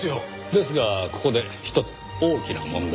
ですがここで１つ大きな問題が。